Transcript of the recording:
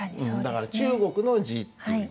だから中国の字っていう意味。